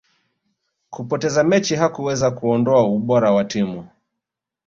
kupoteza mechi hakuwezi kuondoa ubora wa timu